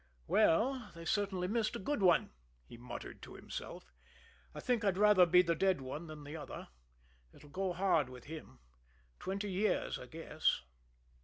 "Well, they certainly missed a good one," he muttered to himself. "I think I'd rather be the dead one than the other. It'll go hard with him. Twenty years, I guess."